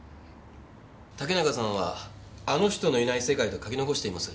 竹中さんは「あの人のいない世界」と書き残しています。